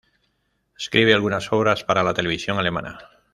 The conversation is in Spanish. Escribe algunas obras para la televisión alemana.